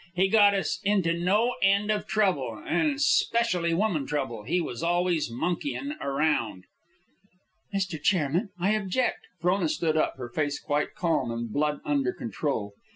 He got us into no end of trouble, and 'specially woman trouble. He was always monkeying around " "Mr. Chairman, I object." Frona stood up, her face quite calm and blood under control.